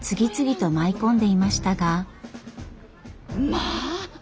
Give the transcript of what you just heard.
まあ！